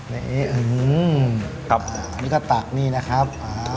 นี่อื้อหือครับอ่านี่ก็ตักนี่นะครับอ่า